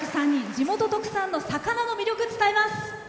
地元特産の魚の魅力を伝えています。